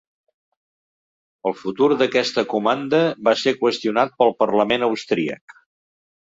El futur d'aquesta comanda va ser qüestionat pel Parlament austríac.